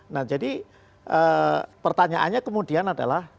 nah jadi pertanyaannya kemudian adalah